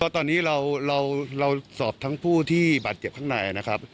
ตอนนี้เราสอบทั้งผู้ที่บาดเจ็บข้างในนะครับ